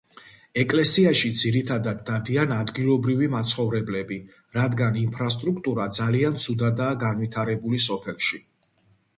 ეკლესიაში ძირითადად დადიან ადგილობრივი მაცხოვრებლები, რადგან ინფრასტრუქტურა ძალიან ცუდადაა განვითარებული სოფელში.